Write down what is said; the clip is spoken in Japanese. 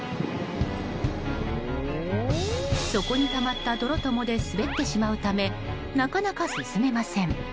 底にたまった泥と藻で滑ってしまうためなかなか進めません。